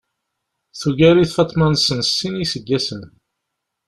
Tugar-it Faḍma-nsen s sin n yiseggasen.